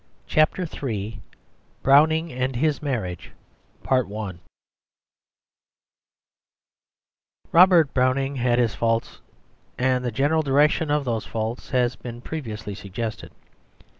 CHAPTER III BROWNING AND HIS MARRIAGE Robert Browning had his faults, and the general direction of those faults has been previously suggested.